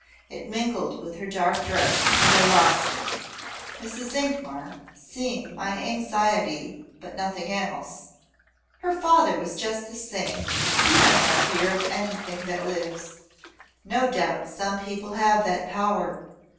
It mingled with her dark dress and I lost it. Mrs. Ingmar said, seeing my anxiety but nothing else; "Her father was just the same; he had no fear of anything that lives. No doubt some people have that power.